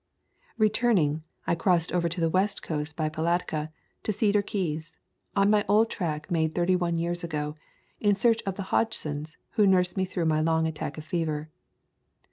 Returning, I crossed over to the west coast by Palatka to Cedar Keys, on my old track made thirty one years ago, in search of the Hodgsons who nursed me through my long attack of fever.